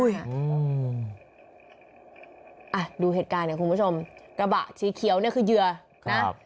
อ่ะดูเหตุการณ์เนี่ยคุณผู้ชมกระบะสีเขียวเนี่ยคือเหยื่อนะ